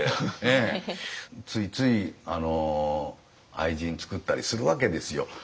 ついつい愛人作ったりするわけですよ。